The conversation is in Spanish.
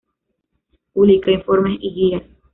Publica informes y guías.